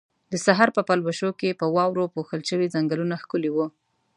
د سحر په پلوشو کې په واورو پوښل شوي ځنګلونه ښکلي وو.